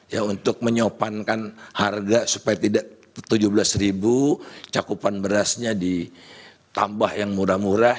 ya untuk menyopankan harga supaya tidak tujuh belas ribu cakupan berasnya ditambah yang murah murah